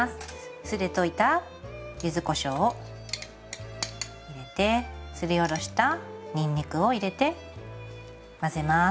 酢で溶いた柚子こしょうを入れてすりおろしたにんにくを入れて混ぜます。